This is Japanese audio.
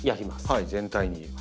はい全体に。